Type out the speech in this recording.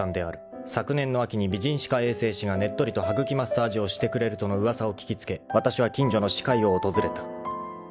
［昨年の秋に美人歯科衛生士がねっとりと歯茎マッサージをしてくれるとの噂を聞き付けわたしは近所の歯科医を訪れた］